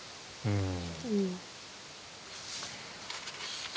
うん。